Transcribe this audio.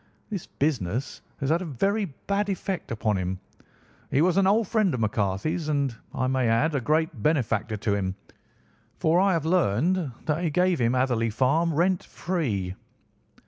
This business has had a very bad effect upon him. He was an old friend of McCarthy's, and, I may add, a great benefactor to him, for I have learned that he gave him Hatherley Farm rent free."